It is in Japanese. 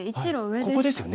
ここですよね。